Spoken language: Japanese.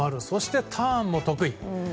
そしてターンも得意。